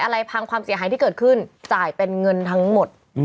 อะไรพังความเสียหายที่เกิดขึ้นจ่ายเป็นเงินทั้งหมด